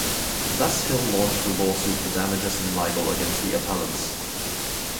Thus Hill launched a lawsuit for damages in libel against the appellants.